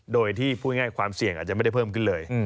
โดยที่พูดง่ายความเสี่ยงอาจจะไม่ได้เพิ่มขึ้นเลย